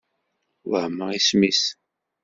Wehmeɣ isem-is.